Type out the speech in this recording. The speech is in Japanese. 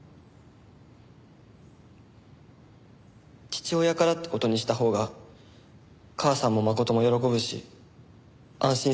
父親からって事にしたほうが母さんも真も喜ぶし安心するから。